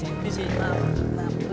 saya turun disini aja